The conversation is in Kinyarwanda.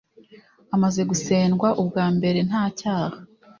amaze gusendwa ubwa mbere nta cyaha